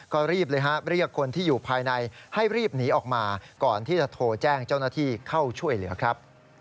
ก็รีบเลยฮะเรียกคนที่อยู่ภายในให้รีบหนีออกมาก่อนที่จะโทรแจ้งเจ้าหน้าที่เข้าช่วยเหลือครับ